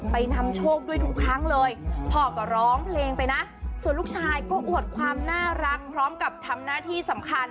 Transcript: นำโชคด้วยทุกครั้งเลยพ่อก็ร้องเพลงไปนะส่วนลูกชายก็อวดความน่ารักพร้อมกับทำหน้าที่สำคัญ